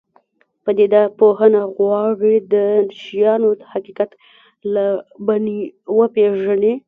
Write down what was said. پدیده پوهنه غواړي د شیانو حقیقت له بڼې وپېژني.